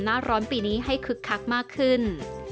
หน้าร้อนปีนี้ให้คึกคักมากขึ้น